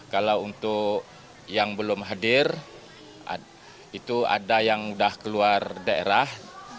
kalau untuk yang belum hadir itu ada yang sudah keluar daerah